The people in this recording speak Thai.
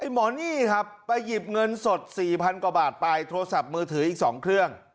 หมอนี่ครับไปหยิบเงินสด๔๐๐กว่าบาทไปโทรศัพท์มือถืออีก๒เครื่อง